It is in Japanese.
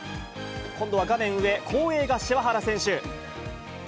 今度は画面上、後衛が柴原選手。